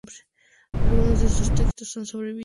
Algunos de sus textos han sobrevivido.